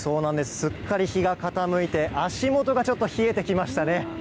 すっかり日が傾いて、足元がちょっと冷えてきましたね。